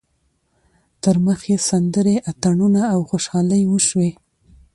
تر مخ یې سندرې، اتڼونه او خوشحالۍ وشوې.